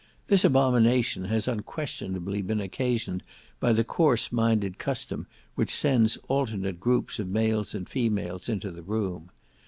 This abomination has unquestionably been occasioned by the coarse minded custom which sends alternate groups of males and females into the room.